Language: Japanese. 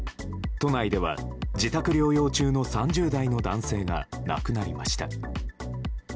都内では自宅療養中の３０代の男性が亡くなりました。